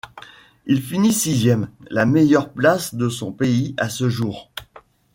Il finit sixième, la meilleure place de son pays à ce jour.